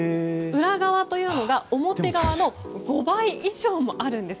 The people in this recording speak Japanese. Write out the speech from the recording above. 裏側というのが表側の５倍以上もあるんです。